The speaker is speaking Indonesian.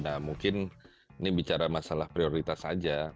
nah mungkin ini bicara masalah prioritas saja